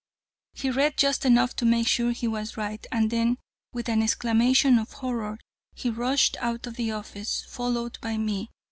He read just enough to make sure he was right, and then with an exclamation of horror he rushed out of the office, followed by me.